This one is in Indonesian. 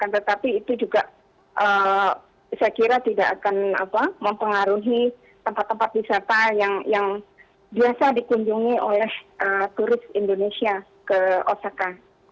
tetapi itu juga saya kira tidak akan mempengaruhi tempat tempat wisata yang biasa dikunjungi oleh turis indonesia ke osaka